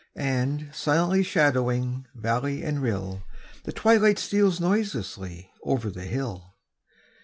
And, silently shadowing valley and rill, The twilight steals noiselessly over the hill.